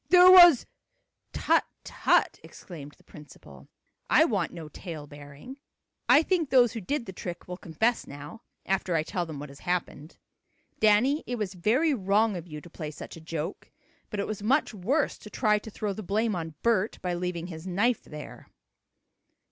"There was " "Tut Tut!" exclaimed the principal. "I want no tale bearing. I think those who did the trick will confess now, after I tell them what has happened. Danny, it was very wrong of you to play such a joke, but it was much worse to try to throw the blame on Bert by leaving his knife there."